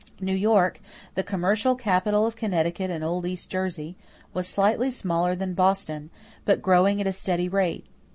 New York, the "commercial capital of Connecticut and old East Jersey," was slightly smaller than Boston, but growing at a steady rate.